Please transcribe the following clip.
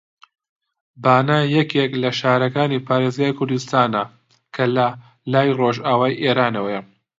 بانە یەکێک لە شارەکانی پارێزگای کوردستانە کە لە لای ڕۆژئاوای ئێرانەوەیە